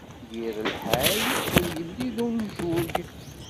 Yir lḥal ur yelli d unjug.